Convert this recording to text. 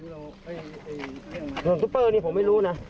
ลูกกระสุนซุปเปอร์นี้ผมไม่รู้นะ